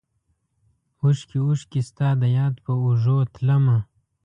اوښکې ، اوښکې ستا دیاد په اوږو تلمه